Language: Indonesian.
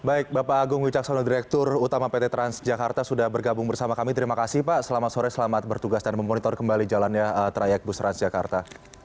baik bapak agung wicaksono direktur utama pt transjakarta sudah bergabung bersama kami terima kasih pak selamat sore selamat bertugas dan memonitor kembali jalannya trayek bus transjakarta